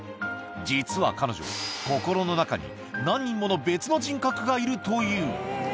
実は彼女、心の中に何人もの別の人格がいるという。